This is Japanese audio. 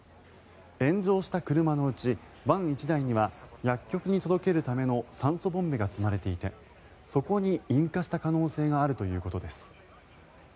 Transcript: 炎上した車のうちバン１台には薬局に届けるための酸素ボンベが積まれていてそこに引火した可能性があるということです。